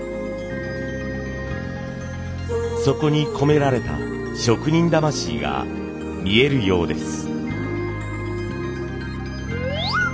そこに込められた職人魂が見えるようです。